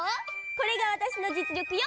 これがわたしのじつりょくよ。